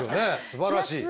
すばらしい。